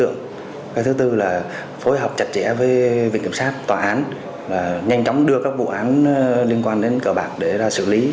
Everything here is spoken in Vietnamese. nhanh chóng đưa các vụ án liên quan đến cờ bạc để ra xử lý